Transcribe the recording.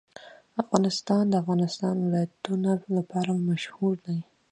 افغانستان د د افغانستان ولايتونه لپاره مشهور دی.